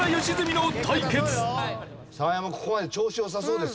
ここまで調子良さそうですけど。